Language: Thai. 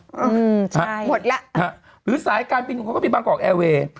อืมใช่หมดแล้วหรือสายการปิดบังกอกแอร์เวย์